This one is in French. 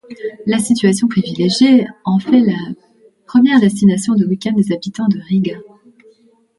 Sa situation privilégiée en fait la première destination de week-end des habitants de Riga.